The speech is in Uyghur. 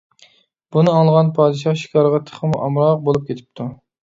بۇنى ئاڭلىغان پادىشاھ شىكارغا تېخىمۇ ئامراق بولۇپ كېتىپتۇ.